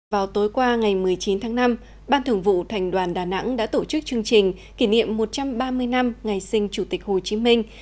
vào tối qua ngày một mươi chín tháng năm ban thưởng vụ thành đoàn đà nẵng đã tổ chức chương trình kỷ niệm một trăm ba mươi năm ngày sinh chủ tịch hồ chí minh